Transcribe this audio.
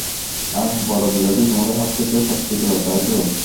আহ, বড় বিড়ালটি তোমাদের হাত থেকে ফসকেই গেল, তাই তো?